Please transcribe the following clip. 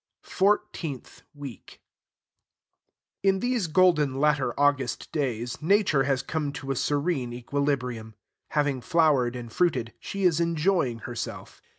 FOURTEENTH WEEK In these golden latter August days, Nature has come to a serene equilibrium. Having flowered and fruited, she is enjoying herself.